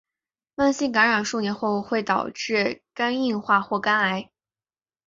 慢性感染数年后会导致肝硬化或肝癌。